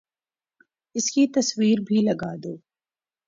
اس کی تصویر بھی لگا دو